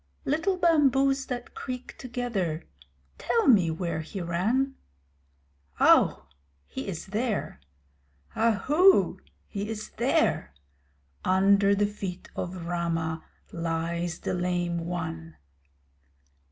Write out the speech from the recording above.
Little bamboos that creak together tell me where he ran? Ow! he is there. Ahoo! he is there. Under the feet of Rama lies the Lame One!